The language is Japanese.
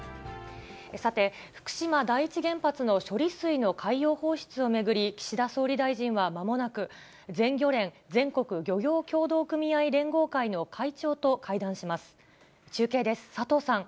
さて、福島第一原発の処理水の海洋放出を巡り、岸田総理大臣は、まもなく、全漁連・全国漁業協同組合連合会の会長と会談します。